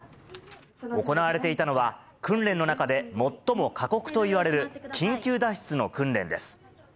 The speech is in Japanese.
当機はエンジン不具合のため、行われていたのは、訓練の中で最も過酷といわれる緊急脱出の訓練です。